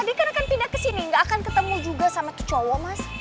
dia kan akan pindah kesini gak akan ketemu juga sama cowo mas